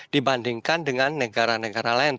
dibandingkan dengan negara negara lain